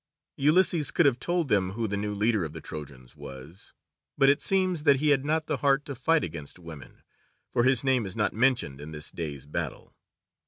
Ulysses could have told them who the new leader of the Trojans was, but it seems that he had not the heart to fight against women, for his name is not mentioned in this day's battle.